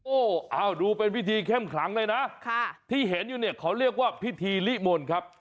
โอ้โหเอาดูเป็นพิธีเข้มขลังเลยนะที่เห็นอยู่เนี่ยเขาเรียกว่าพิธีลิมนต์ครับ